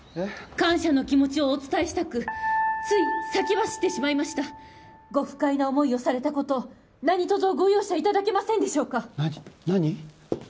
感謝の気持ちをお伝えしたくつい先走ってしまいましたご不快な思いをされたこと何とぞご容赦いただけませんでしょうか何何？